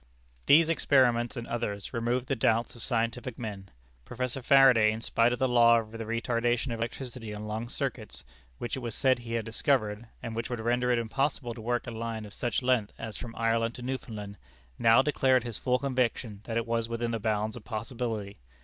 These experiments and others removed the doubts of scientific men. Professor Faraday, in spite of the law of the retardation of electricity on long circuits, which it was said he had discovered, and which would render it impossible to work a line of such length as from Ireland to Newfoundland, now declared his full conviction that it was within the bounds of possibility.